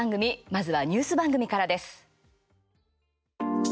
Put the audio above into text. まずは、ニュース番組からです。